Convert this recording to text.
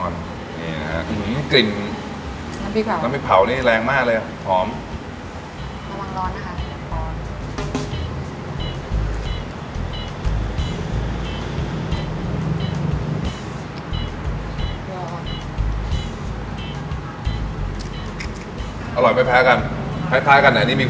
มันจะดีซังดูแบบใช่ค่ะน้ำมันพริกเผาใช่แซ่บแน่นอนเนี้ย